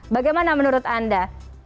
bagaimana menurut anda